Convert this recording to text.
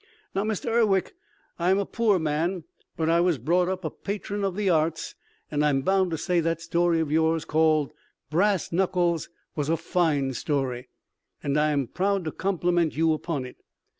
Now Mr. Urwick I am a poor man but I was brought up a patron of the arts and I am bound to say that story of yours called Brass Nuckles was a fine story and I am proud to compliment you upon it.